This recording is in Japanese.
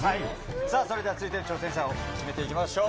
さあそれでは、続いての挑戦者を決めていきましょう。